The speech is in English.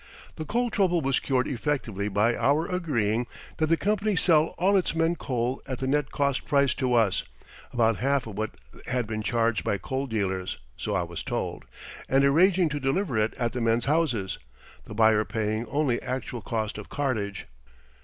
The coal trouble was cured effectively by our agreeing that the company sell all its men coal at the net cost price to us (about half of what had been charged by coal dealers, so I was told) and arranging to deliver it at the men's houses the buyer paying only actual cost of cartage.